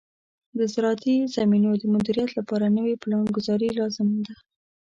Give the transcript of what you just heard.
د زراعتي زمینو د مدیریت لپاره نوې پلانګذاري لازم ده.